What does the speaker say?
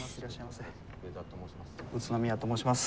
宇都宮と申します。